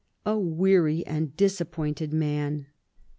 a weary and disappointed man.